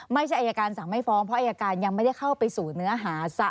ไม่ใช่อายการสั่งไม่ฟ้องเพราะอายการยังไม่ได้เข้าไปสู่เนื้อหาซะ